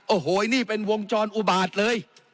โอ้โหไอ้หนี้เป็นวงจรอุบาทเลย